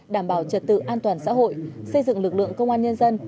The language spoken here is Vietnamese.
đảm bảo trật tự an toàn xã hội xây dựng lực lượng công an nhân dân